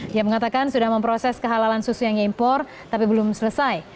dia mengatakan sudah memproses kehalalan susu yang diimpor tapi belum selesai